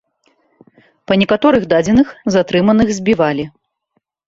Па некаторых дадзеных, затрыманых збівалі.